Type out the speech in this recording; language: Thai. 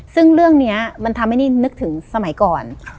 ซึ่งเรื่องนี้มันทำให้นี่นึกถึงสมัยก่อน